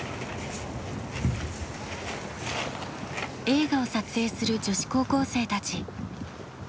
映画を撮影する女子高校生たち。